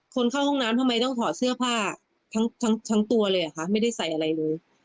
เข้าห้องน้ำทำไมต้องถอดเสื้อผ้าทั้งตัวเลยเหรอคะไม่ได้ใส่อะไรเลย